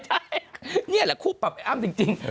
ใช่นี่แหละคู่ปรับไอ้อ้ำจริง